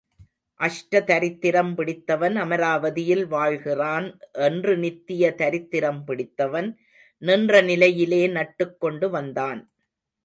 அஷ்டதரித்திரம் பிடித்தவன் அமராவதியில் வாழ்கிறான் என்று நித்திய தரித்திரம் பிடித்தவன் நின்ற நிலையிலே நட்டுக் கொண்டு வந்தான்.